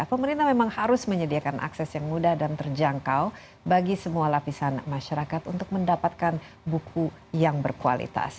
pemerintah memang harus menyediakan akses yang mudah dan terjangkau bagi semua lapisan masyarakat untuk mendapatkan buku yang berkualitas